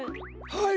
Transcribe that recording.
はい。